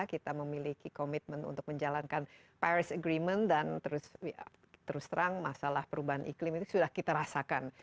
kita memiliki komitmen untuk menjalankan paris agreement dan terus terang masalah perubahan iklim itu sudah kita rasakan